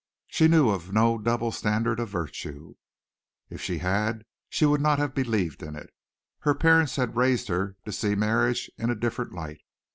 She knew of no double standard of virtue. If she had she would not have believed in it. Her parents had raised her to see marriage in a different light.